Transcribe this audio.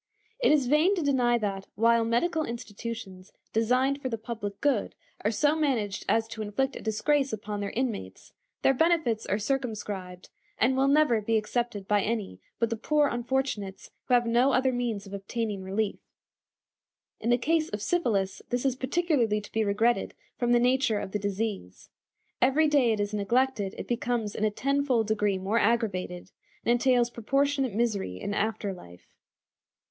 It is vain to deny that, while medical institutions designed for the public good are so managed as to inflict a disgrace upon their inmates, their benefits are circumscribed, and will never be accepted by any but the poor unfortunates who have no other means of obtaining relief. In the case of syphilis this is particularly to be regretted from the nature of the disease. Every day it is neglected it becomes in a tenfold degree more aggravated, and entails proportionate misery in after life.